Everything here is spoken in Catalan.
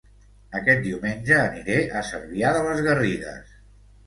Aquest diumenge aniré a Cervià de les Garrigues